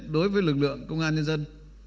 đối với lực lượng công an nhân dân